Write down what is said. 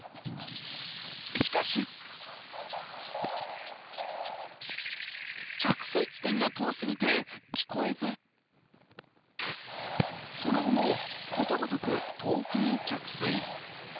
しかし着水地点が遠すぎて、聞こえず、その後もことごとく遠くに着水。